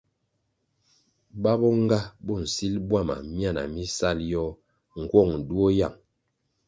Ba bo nga bo nsil bwama myana mi sal yoh ngwong duo yang.